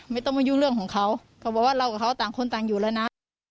ไม่ต้องมายุ่งเรื่องของเขาเขาบอกว่าเรากับเขาต่างคนต่างอยู่แล้วนะ